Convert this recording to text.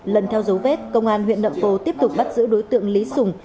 lần theo dấu vết công an huyện nậm pồ tiếp tục bắt giữ đối tượng lý sùng